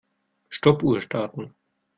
Stoppuhr starten.